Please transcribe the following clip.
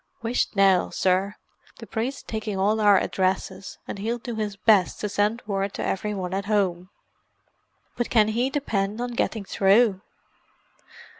"Whisht now, sir: the priest's taking all our addresses, and he'll do his best to send word to every one at home." "But can he depend on getting through?"